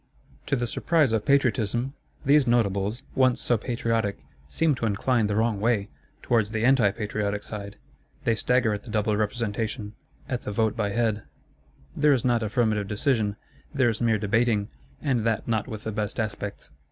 To the surprise of Patriotism, these Notables, once so patriotic, seem to incline the wrong way; towards the anti patriotic side. They stagger at the Double Representation, at the Vote by Head: there is not affirmative decision; there is mere debating, and that not with the best aspects.